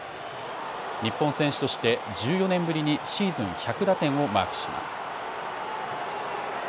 日本選手として１４年ぶりにシーズン１００打点をマークします。